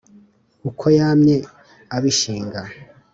Uko yamye abishinga